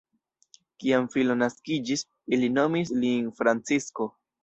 Kiam filo naskiĝis, ili nomis lin Francisko.